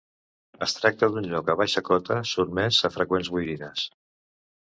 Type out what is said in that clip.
Es tracta d'un lloc a baixa cota, sotmès a freqüents boirines.